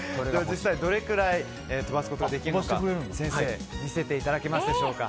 実際に、どれくらい飛ばすことができるのか先生見せていただけますでしょうか。